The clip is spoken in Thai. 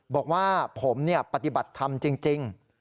บอกว่าผมปฏิบัติธรรมจริง